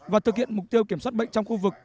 và thực hiện mục tiêu kiểm soát bệnh trong khu vực